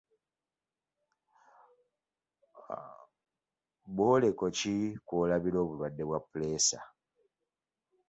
Bwoleko ki kwolabira obulwadde bwa puleesa?